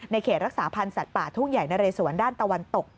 เขตรักษาพันธ์สัตว์ป่าทุ่งใหญ่นะเรสวนด้านตะวันตก